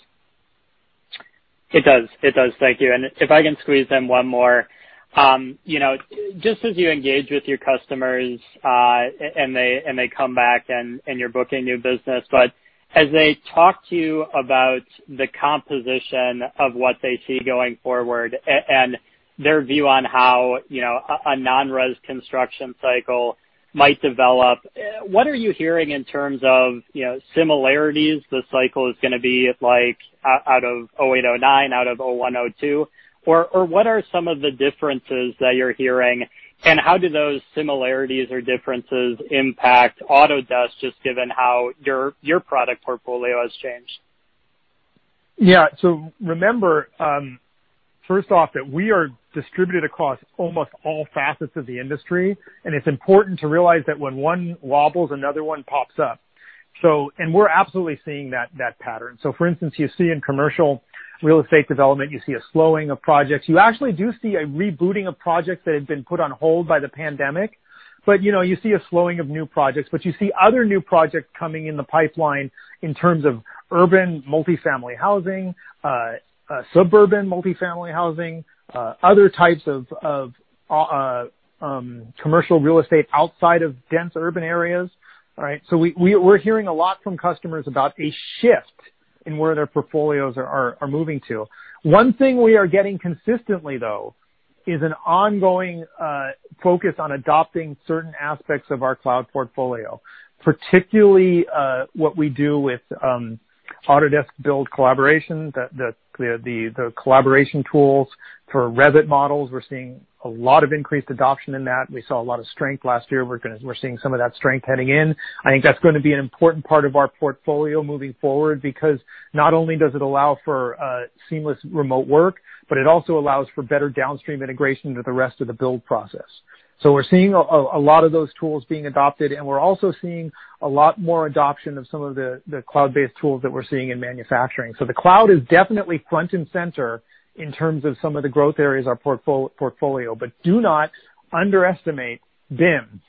It does. Thank you. If I can squeeze in one more. Just as you engage with your customers, and they come back, and you're booking new business. As they talk to you about the composition of what they see going forward and their view on how a non-res construction cycle might develop, what are you hearing in terms of similarities the cycle is going to be like out of 2008, 2009, out of 2001, 2002? What are some of the differences that you're hearing, and how do those similarities or differences impact Autodesk, just given how your product portfolio has changed? Yeah. Remember, first off, that we are distributed across almost all facets of the industry, and it's important to realize that when one wobbles, another one pops up. We're absolutely seeing that pattern. For instance, you see in commercial real estate development, you see a slowing of projects. You actually do see a rebooting of projects that had been put on hold by the Pandemic. You see a slowing of new projects. You see other new projects coming in the pipeline in terms of urban multifamily housing, suburban multifamily housing, other types of commercial real estate outside of dense urban areas. All right? We're hearing a lot from customers about a shift in where their portfolios are moving to. One thing we are getting consistently, though, is an ongoing focus on adopting certain aspects of our cloud portfolio, particularly what we do with Autodesk Build collaboration, the collaboration tools for Revit models. We're seeing a lot of increased adoption in that. We saw a lot of strength last year. We're seeing some of that strength heading in. I think that's going to be an important part of our portfolio moving forward, because not only does it allow for seamless remote work, but it also allows for better downstream integration into the rest of the build process. We're seeing a lot of those tools being adopted, and we're also seeing a lot more adoption of some of the cloud-based tools that we're seeing in manufacturing. The cloud is definitely front and center in terms of some of the growth areas in our portfolio. Do not underestimate BIM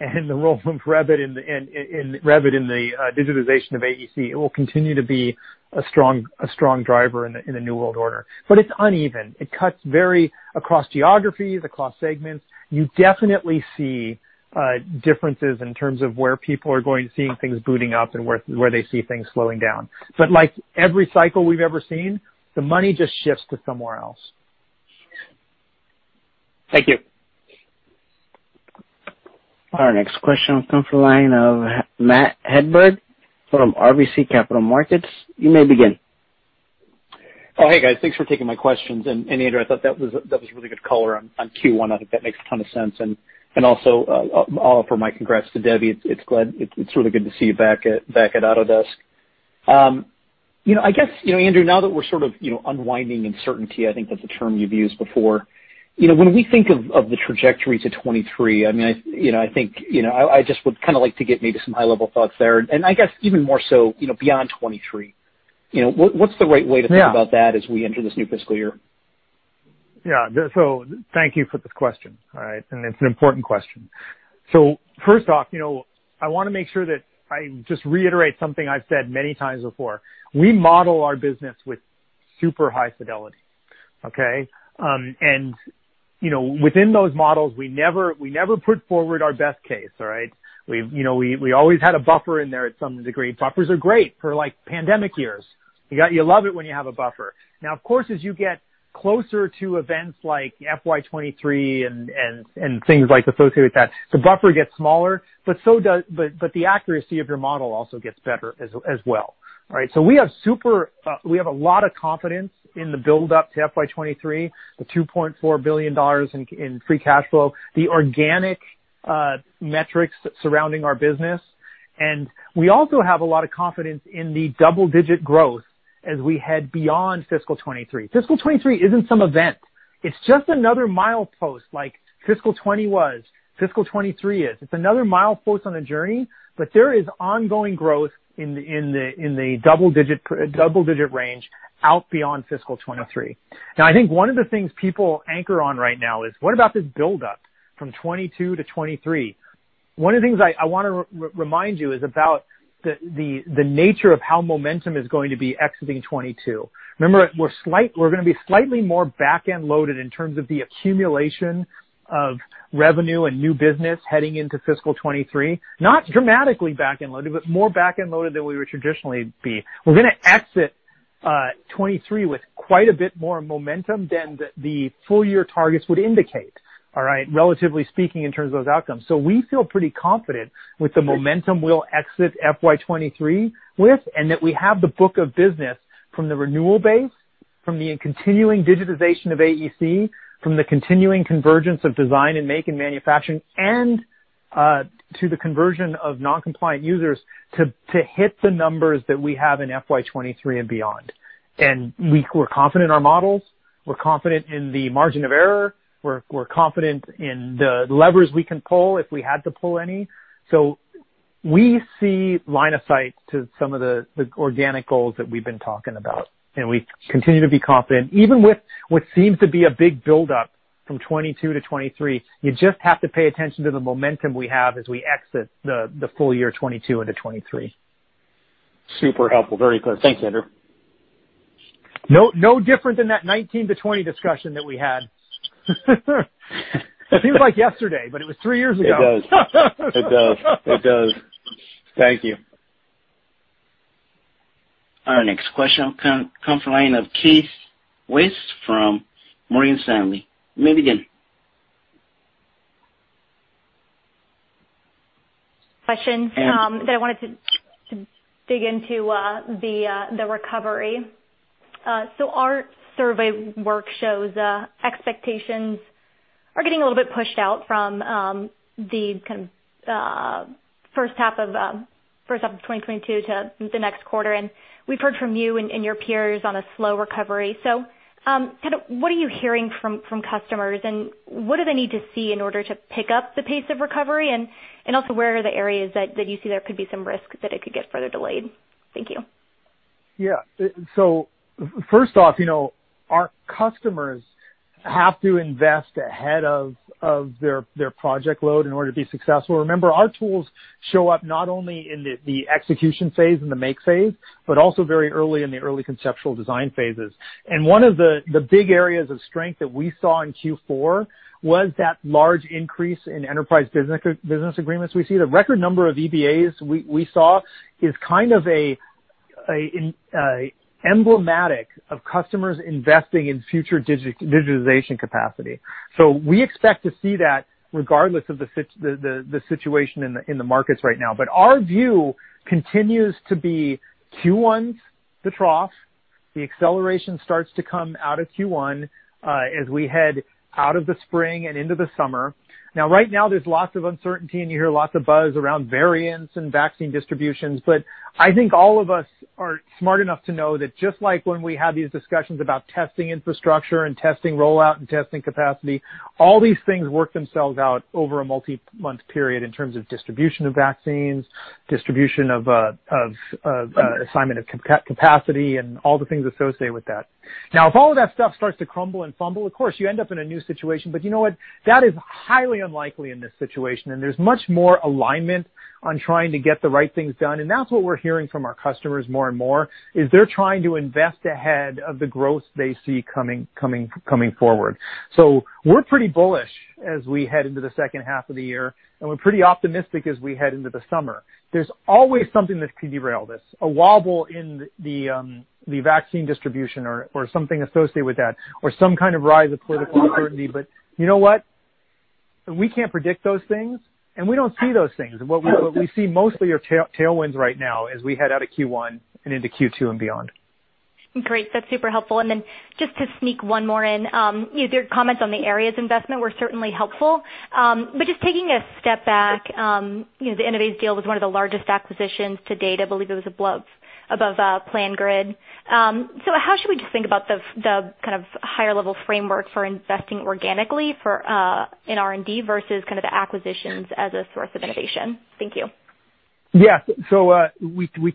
and the role of Revit in the digitization of AEC. It will continue to be a strong driver in the new world order. It's uneven. It cuts very across geographies, across segments. You definitely see differences in terms of where people are going, seeing things booting up, and where they see things slowing down. Like every cycle we've ever seen, the money just shifts to somewhere else. Thank you. Our next question comes from the line of Matt Hedberg from RBC Capital Markets. You may begin. Hey, guys. Thanks for taking my questions. Andrew, I thought that was a really good color on Q1. I think that makes a ton of sense. Also, I'll offer my congrats to Debbie. It's really good to see you back at Autodesk. I guess, Andrew, now that we're sort of unwinding uncertainty, I think that's a term you've used before. When we think of the trajectory to 2023, I just would kind of like to get maybe some high-level thoughts there. I guess even more so beyond 2023. What's the right way to think about that as we enter this new fiscal year? Thank you for the question. All right. It's an important question. First off, I want to make sure that I just reiterate something I've said many times before. We model our business with super high fidelity. Okay? Within those models, we never put forward our best case. All right? We always had a buffer in there at some degree. Buffers are great for pandemic years. You love it when you have a buffer. Of course, as you get closer to events like FY 2023 and things associated with that, the buffer gets smaller, but the accuracy of your model also gets better as well. All right? We have a lot of confidence in the buildup to FY 2023, the $2.4 billion in free cash flow, the organic metrics surrounding our business. We also have a lot of confidence in the double-digit growth as we head beyond fiscal 2023. Fiscal 2023 isn't some event. It's just another milepost like fiscal 2020 was, fiscal 2023 is. It's another milepost on a journey, but there is ongoing growth in the double-digit range out beyond fiscal 2023. I think one of the things people anchor on right now is, what about this buildup from 2022 to 2023? One of the things I want to remind you is about the nature of how momentum is going to be exiting 2022. Remember, we're going to be slightly more back-end loaded in terms of the accumulation of revenue and new business heading into fiscal 2023. Not dramatically back-end loaded, but more back-end loaded than we would traditionally be. We're going to exit 2023 with quite a bit more momentum than the full-year targets would indicate, all right, relatively speaking, in terms of those outcomes. We feel pretty confident with the momentum we'll exit FY 2023 with, and that we have the book of business from the renewal base, from the continuing digitization of AEC, from the continuing convergence of design and make and manufacturing, and to the conversion of non-compliant users to hit the numbers that we have in FY 2023 and beyond. We're confident in our models. We're confident in the margin of error. We're confident in the levers we can pull if we had to pull any. We see line of sight to some of the organic goals that we've been talking about, and we continue to be confident, even with what seems to be a big buildup from 2022 to 2023. You just have to pay attention to the momentum we have as we exit the full year 2022 into 2023. Super helpful. Very clear. Thanks, Andrew. No different than that 2019 to 2020 discussion that we had. It seems like yesterday, but it was three years ago. It does. Thank you. All right, next question comes from the line of Keith Weiss from Morgan Stanley. You may begin. Questions. I wanted to dig into the recovery. Our survey work shows expectations are getting a little bit pushed out from the first half of 2022 to the next quarter. We've heard from you and your peers on a slow recovery. What are you hearing from customers, and what do they need to see in order to pick up the pace of recovery? Also, where are the areas that you see there could be some risk that it could get further delayed? Thank you. First off, our customers have to invest ahead of their project load in order to be successful. Remember, our tools show up not only in the execution phase and the make phase, but also very early in the early conceptual design phases. One of the big areas of strength that we saw in Q4 was that large increase in Enterprise Business Agreements we see. The record number of EBAs we saw is kind of emblematic of customers investing in future digitization capacity. We expect to see that regardless of the situation in the markets right now. Our view continues to be Q1's the trough. The acceleration starts to come out of Q1, as we head out of the spring and into the summer. Right now, there's lots of uncertainty, and you hear lots of buzz around variants and vaccine distributions. I think all of us are smart enough to know that just like when we had these discussions about testing infrastructure and testing rollout and testing capacity, all these things work themselves out over a multi-month period in terms of distribution of vaccines, distribution of assignment of capacity, and all the things associated with that. If all of that stuff starts to crumble and fumble, of course, you end up in a new situation. You know what, that is highly unlikely in this situation, and there's much more alignment on trying to get the right things done. That's what we're hearing from our customers more and more, is they're trying to invest ahead of the growth they see coming forward. We're pretty bullish as we head into the second half of the year, and we're pretty optimistic as we head into the summer. There's always something that could derail this, a wobble in the vaccine distribution or something associated with that, or some kind of rise of political uncertainty. You know what? We can't predict those things, and we don't see those things. What we see mostly are tailwinds right now as we head out of Q1 and into Q2 and beyond. Great. That's super helpful. Then just to sneak one more in. Your comments on the areas investment were certainly helpful. Just taking a step back, the Innovyze deal was one of the largest acquisitions to date. I believe it was above PlanGrid. How should we just think about the higher-level framework for investing organically in R&D versus the acquisitions as a source of innovation? Thank you. We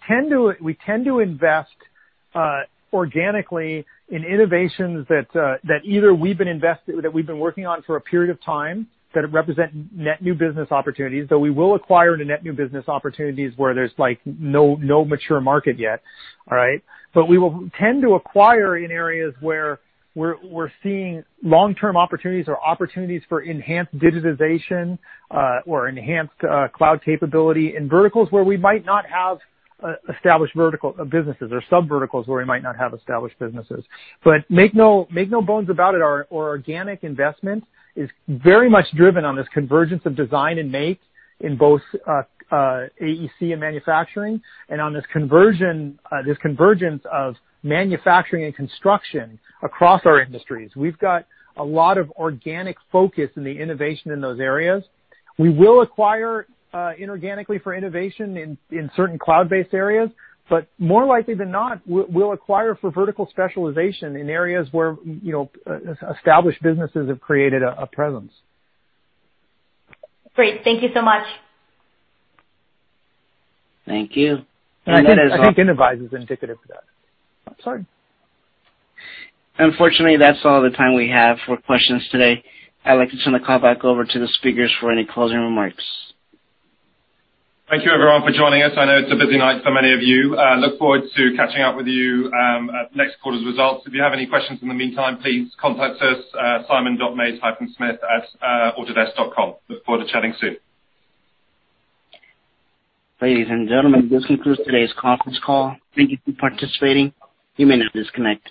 tend to invest organically in innovations that either we've been working on for a period of time that represent net new business opportunities, though we will acquire into net new business opportunities where there's no mature market yet. All right? We will tend to acquire in areas where we're seeing long-term opportunities or opportunities for enhanced digitization, or enhanced cloud capability in verticals where we might not have established vertical businesses or subverticals where we might not have established businesses. Make no bones about it, our organic investment is very much driven on this convergence of design and make in both AEC and manufacturing. On this convergence of manufacturing and construction across our industries. We've got a lot of organic focus in the innovation in those areas. We will acquire inorganically for innovation in certain cloud-based areas, but more likely than not, we'll acquire for vertical specialization in areas where established businesses have created a presence. Great. Thank you so much. Thank you. I think Innovyze is indicative of that. I'm sorry. Unfortunately, that's all the time we have for questions today. I'd like to turn the call back over to the speakers for any closing remarks. Thank you, everyone, for joining us. I know it's a busy night for many of you. Look forward to catching up with you at next quarter's results. If you have any questions in the meantime, please contact us, simon.mays-smith@autodesk.com. Look forward to chatting soon. Ladies and gentlemen, this concludes today's conference call. Thank you for participating. You may now disconnect.